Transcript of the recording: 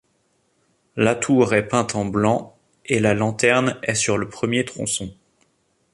La tour est peinte en blanc et la lanterne est sur le premier tronçon.